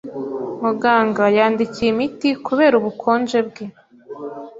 Muganga yandikiwe imiti kubera ubukonje bwe.